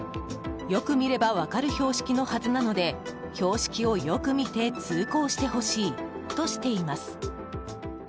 よく見れば分かる標識のはずなので標識をよく見て通行してほしいとしています。